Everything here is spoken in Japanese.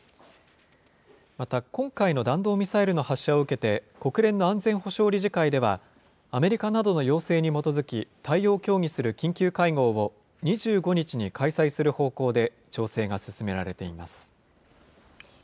また、今回の弾道ミサイルの発射を受けて、国連の安全保障理事会では、アメリカなどの要請に基づき、対応を協議する緊急会合を２５日に開催する方向で調整が進められています。